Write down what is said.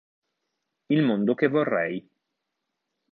Il mondo che vorrei